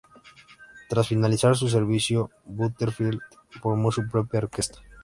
Tras finalizar su servicio, Butterfield formó su propia orquesta.